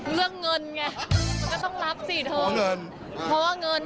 เรื่องเงินไงก็ต้องรับสิเท่า